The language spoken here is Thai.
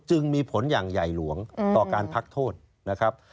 จึงมีผลอย่างใหญ่หลวงต่อการพักโทษนะครับ